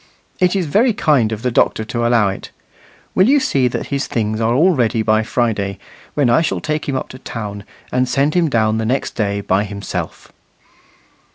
It is very kind of the doctor to allow it. Will you see that his things are all ready by Friday, when I shall take him up to town, and send him down the next day by himself."